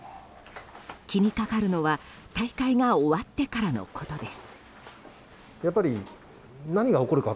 気にかかるのは大会が終わってからのことです。